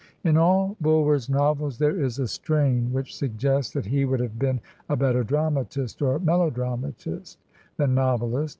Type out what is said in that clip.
In all Bulwer's novels there is a strain which suggests that he would have been a better dramatist, or melodramatist, than novelist.